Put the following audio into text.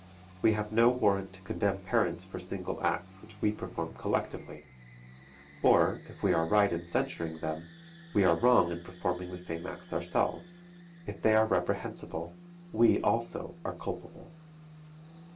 We have no warrant to condemn parents for single acts which we perform collectively; or, if we are right in censuring them, we are wrong in performing the same acts ourselves: if they are reprehensible, we also are culpable.